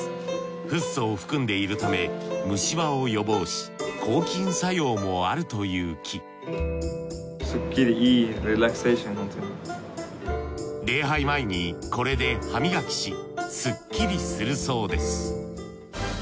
フッ素を含んでいるため虫歯を予防し抗菌作用もあるという木礼拝前にこれで歯磨きしスッキリするそうです